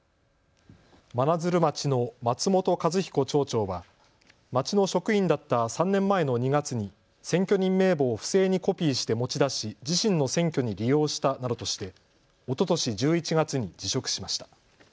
真鶴町の松本一彦町長は町の職員だった３年前の２月に選挙人名簿を不正にコピーして持ち出し自身の選挙に利用したなどとしておととし１１月に辞職しました。